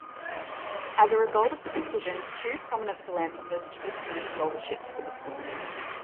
As a result of the decision, two prominent philanthropists withdrew scholarships for the school.